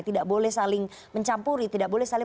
tidak boleh saling mencampuri tidak boleh saling